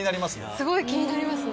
すごい気になりますね。